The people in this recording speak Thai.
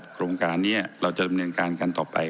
โครงการนี้เราจะดำเนินการกันต่อไป